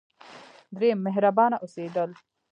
دریم: مهربانه اوسیدل.